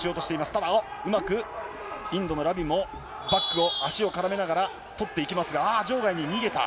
ただ、うまくインドのラビもバックを、足を絡めながら取っていきますが、ああ、場外に逃げた。